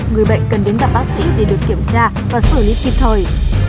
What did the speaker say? người bệnh cần đến gặp bác sĩ để được kiểm tra và xử lý kịp thời